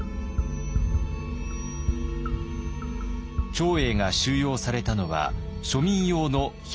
長英が収容されたのは庶民用の百姓牢。